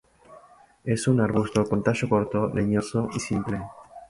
Es un arbusto con tallo corto, leñoso y simple.